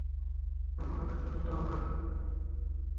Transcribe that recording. এখন মাথাটা কেটে ফেলতে হবে।